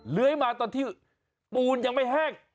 เลื้อยมาตอนที่ปูนยังไม่แห้ง